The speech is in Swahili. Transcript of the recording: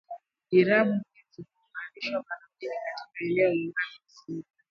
Irabu hizi huunganishwa mara mbili katika eneo la ngazi msingi